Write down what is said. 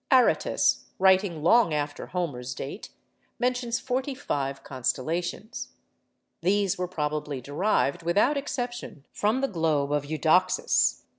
Aratus, writing long after Homer's date, mentions forty five constellations. These were probably derived, without exception, from the globe of Eudoxus.